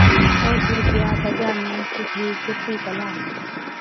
اوهچ روپيا دگا ۾ ڪِٺِي ڪِرتِي پلا۔